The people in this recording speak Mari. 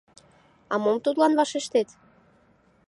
А мом тудлан вашештет?